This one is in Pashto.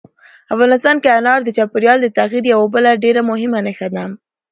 افغانستان کې انار د چاپېریال د تغیر یوه بله ډېره مهمه نښه ده.